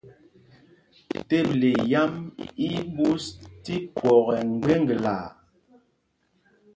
Teble yám í í ɓūs tí phwɔk ɛ mgbeŋglaa.